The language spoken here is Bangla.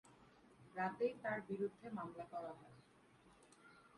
রাতেই তাঁর বিরুদ্ধে মামলা করা হয়।